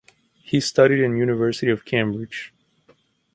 He studied in university of Cambridge.